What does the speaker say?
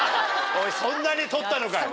おいそんなに録ったのかよ。